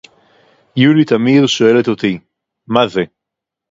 יולי תמיר שואלת אותי: מה זה